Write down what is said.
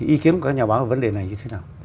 ý kiến của các nhà báo vấn đề này như thế nào